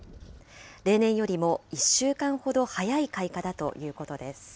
例年よりも１週間ほど早い開花だということです。